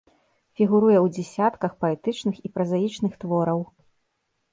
Фігуруе ў дзясятках паэтычных і празаічных твораў.